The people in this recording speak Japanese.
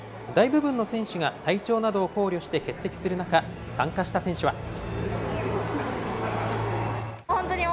大部分の選手が体調などを考慮して、欠席する中、参加した選手は。